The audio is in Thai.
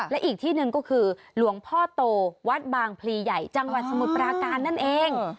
และอีกที่หนึ่งก็คือหลวงพ่อโตวัดบางพลีใหญ่จังหวัดสมุทรปราการนั่นเอง